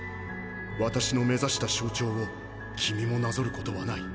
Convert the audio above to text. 私の目指した象徴を君もなぞる事はない。